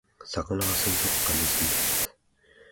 さかなは水族館に住んでいます